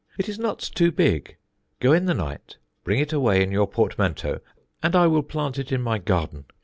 It is not too big. Go in the night, bring it away in your portmanteau, and I will plant it in my garden.